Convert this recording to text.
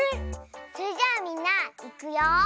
それじゃあみんないくよ。